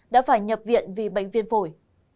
đã phải nhập viện vì bệnh viên vội